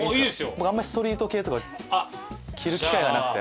僕あんまりストリート系とか着る機会がなくて。